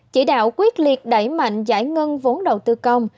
chỉ đạo quyết liệt đẩy mạnh giải ngân vốn đầu tư công